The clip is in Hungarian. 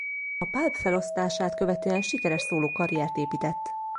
A Pulp feloszlását követően sikeres szólókarriert épített.